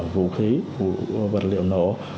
vũ khí vật liệu nổ